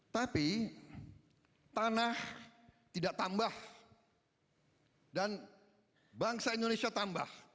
tapi tanah tidak tambah dan bangsa indonesia tambah